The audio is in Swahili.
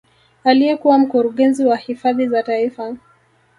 Aliyekuwa mkurugenzi wa hifadhi za taifa